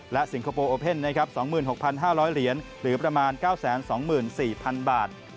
และสิงคโปร์โอเพ่น๒๖๕๐๐เหรียญหรือประมาณ๙๒๔๐๐๐บาท